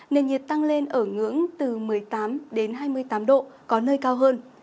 nền nhiệt tăng lên ở ngưỡng từ một mươi tám đến hai mươi tám độ có nơi cao hơn